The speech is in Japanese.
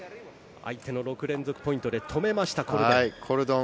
相手の６連続ポイントで止めました、コルドン。